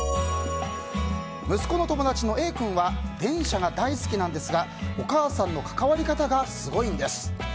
息子の友達のＡ君は電車が大好きなんですがお母さんの関わり方がすごいんです。